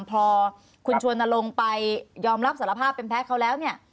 พอคุณชวนลงไปยอมรับสารภาพเป็นแพ้เขาแล้วเนี่ย